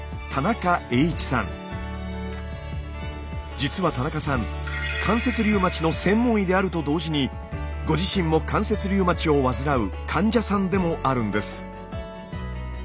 実は田中さんであると同時にご自身も関節リウマチを患う患者さんでもあるんです。